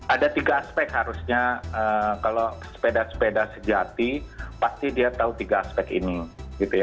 ada tiga aspek harusnya kalau sepeda sepeda sejati pasti dia tahu tiga aspek ini gitu ya